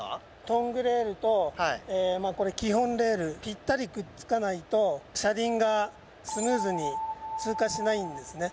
トングレールと基本レールぴったりくっつかないと車輪がスムーズに通過しないんですね。